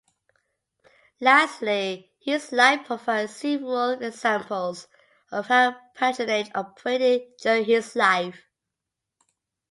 Lastly, his life provides several examples of how patronage operated during his life.